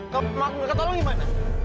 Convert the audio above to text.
kamu mau aku ngeketolong gimana